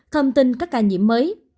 thông tin các ca nhiễm mới